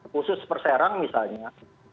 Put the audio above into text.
khusus perserang misalnya